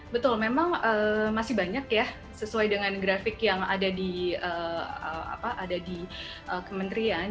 betul memang masih banyak ya sesuai dengan grafik yang ada di kementerian